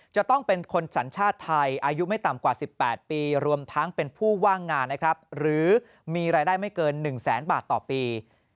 จะต้องเป็นคนสัญชาติไทยอายุไม่ต่ำกว่า๑๘ปีรวมทั้งเป็นผู้ว่างงานนะครับหรือมีรายได้ไม่เกิน๑แสนบาทต่อปี